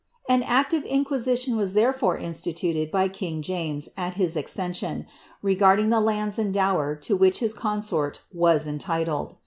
An active inquisition was therefore instituted by king James, at his accession, regarding the lands and dower to which his consort was entitled.